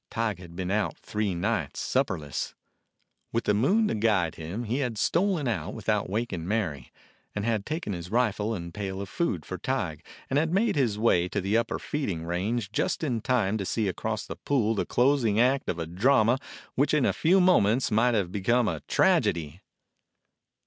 Tige had been out three nights supperless. With the moon to guide him he had stolen out without waking Mary, had taken his rifle and a pail of food for Tige, and had made his way to the upper feeding range, just in time to see across the pool the closing act of a drama which in a few moments might have be come a tragedy.